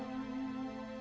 aku sudah berjalan